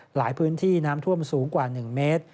หลายพื้นที่น้ำท่วมสูงกว่า๑เมตร